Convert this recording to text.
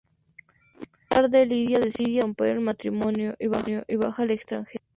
Más tarde, Lidia decide romper el matrimonio y viaja al extranjero.